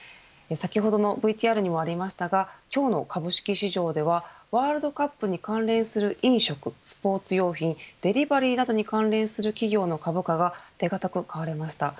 先ほどのＶＴＲにもありましたが今日の株式市場ではワールドカップに関連する飲食、スポーツ用品デリバリーなどに関連する企業の株価が手堅く買われました。